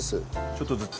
ちょっとずつ。